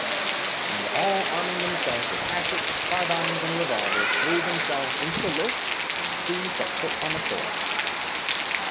And all arming themselves with hatchets, carbines, and revolvers, threw themselves into the lift and soon set foot on the shore.